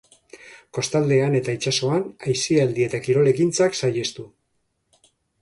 Kostaldean eta itsasoan aisialdi eta kirol ekintzak saihestu.